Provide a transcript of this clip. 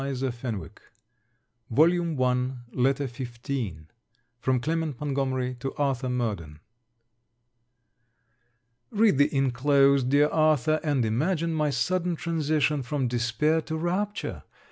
SIBELLA VALMONT LETTER XV FROM CLEMENT MONTGOMERY TO ARTHUR MURDEN Read the inclosed, dear Arthur, and imagine my sudden transition from despair to rapture.